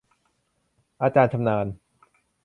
อาจารย์ชำนาญ